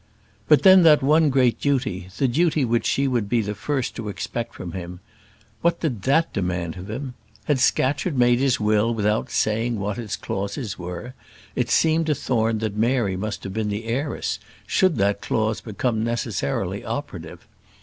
But then, that one great duty, that duty which she would be the first to expect from him; what did that demand of him? Had Scatcherd made his will without saying what its clauses were, it seemed to Thorne that Mary must have been the heiress, should that clause become necessarily operative.